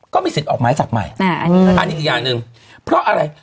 ก็มีสิทธิ์ออกไม้จับใหม่อันนี้อันนี้อีกอย่างหนึ่งเพราะอะไร